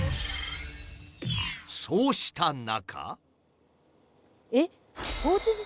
そうした中。